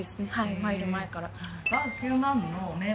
入る前から。